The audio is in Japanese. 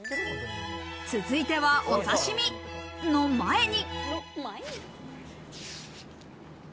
続いては、お刺身の前に。